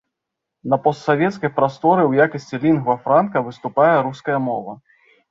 На постсавецкай прасторы ў якасці лінгва франка выступае руская мова.